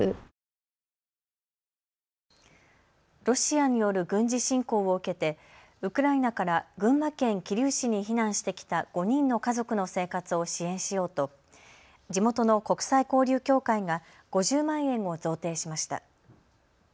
ロシアによる軍事侵攻を受けてウクライナから群馬県桐生市に避難してきた５人の家族の生活を支援しようと地元の国際交流協会が５０万円を贈呈しました。